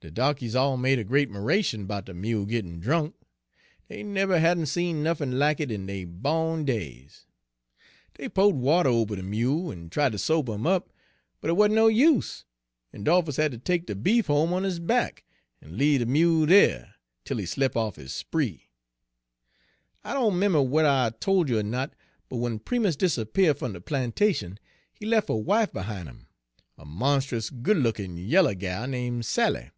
"De darkies all made a great 'miration 'bout de mule gittin' drunk. Dey never hadn' seed nuffin lack it in dey bawn days. Dey po'd water ober de mule, en tried ter sober 'im up; but it wa'n't no use, en 'Dolphus had ter take de beef home on his back, en leabe de mule dere, 'tel he slep' off 'is spree. "I doan 'member whe'r I tol' you er no, but w'en Primus disappear' fum de plantation, he lef' a wife behin' 'im, a monst'us good lookin' yeller gal, name' Sally.